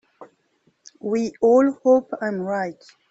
We all hope I am right.